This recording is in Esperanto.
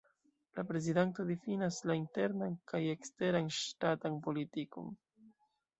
La prezidanto difinas la internan kaj eksteran ŝtatan politikon.